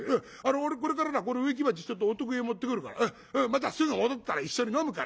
俺これからなこの植木鉢ちょっとお得意へ持ってくるからまたすぐ戻ったら一緒に飲むから。